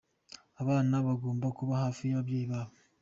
Abana bagomba kuba hafi y'ababyeyi babo.